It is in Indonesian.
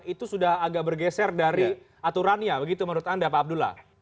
itu sudah agak bergeser dari aturannya begitu menurut anda pak abdullah